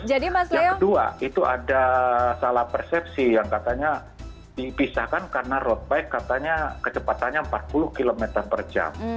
yang kedua itu ada salah persepsi yang katanya dipisahkan karena road bike katanya kecepatannya empat puluh km per jam